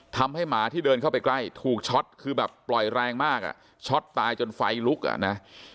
หมาที่เดินเข้าไปใกล้ถูกช็อตคือแบบปล่อยแรงมากอ่ะช็อตตายจนไฟลุกอ่ะนะ